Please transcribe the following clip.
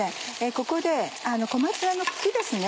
ここで小松菜の茎ですね。